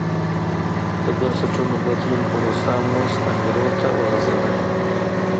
د بنسټونو بدلون پروسه مستعمرو ته وغځېده.